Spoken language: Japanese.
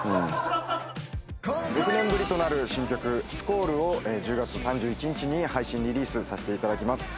６年ぶりとなる新曲『Ｓｑｕａｌｌ』を１０月３１日に配信リリースさせて頂きます。